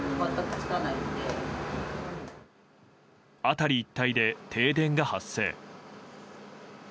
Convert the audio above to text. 辺り一帯で停電が発生。